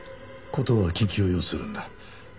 事は緊急を要するんだ。